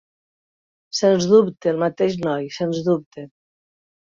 Sens dubte, el mateix noi, sens dubte!